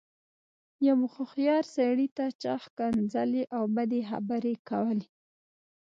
يوه هوښيار سړي ته چا ښکنځلې او بدې خبرې کولې.